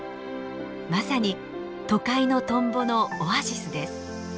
まさに都会のトンボのオアシスです。